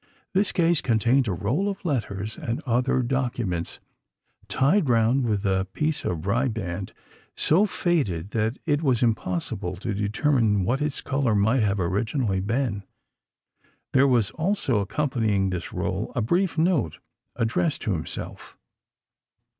This case contained a roll of letters and other documents, _tied round with a piece of riband so faded that it was impossible to determine what its colour might have originally been_. There was also, accompanying this roll, a brief note addressed to himself.